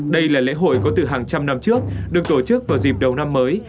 đây là lễ hội có từ hàng trăm năm trước được tổ chức vào dịp đầu năm mới